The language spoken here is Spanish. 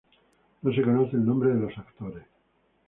No se conoce el nombre de los actores.